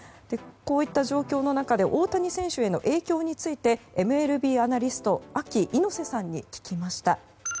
こういった状況の中で大谷選手への影響についてＭＬＢアナリストＡＫＩ猪瀬さんに聞きました。